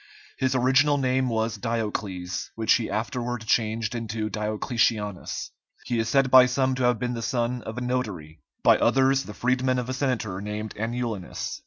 His original name was Diocles, which he afterward changed into Diocletianus. He is said by some to have been the son of a notary, by others the freedman of a senator named Anulinus.